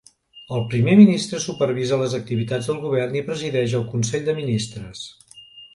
El Primer ministre supervisa les activitats del govern i presideix el Consell de Ministres.